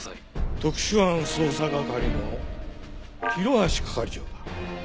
特殊犯捜査係の広橋係長だ。